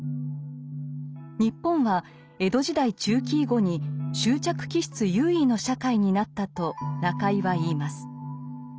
日本は江戸時代中期以後に執着気質優位の社会になったと中井は言います。